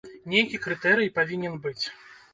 Нейкі крытэрый павінен быць.